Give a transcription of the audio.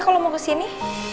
kalau mau kesini